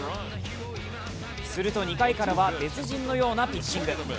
すると２回からは別人のようなピッチング。